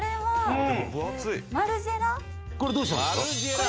これどうしたんですか？